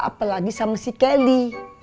apalagi sama si kelly